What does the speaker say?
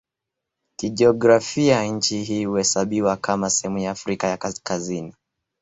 Kijiografia nchi hii huhesabiwa kama sehemu ya Afrika ya Kaskazini.